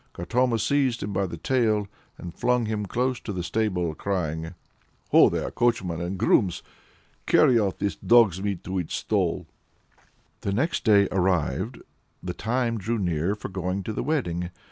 Katoma seized him by the tail, and flung him close to the stable, crying "Ho there! coachmen and grooms; carry off this dog's meat to its stall!" The next day arrived; the time drew near for going to the wedding.